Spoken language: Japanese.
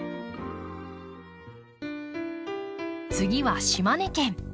次は島根県。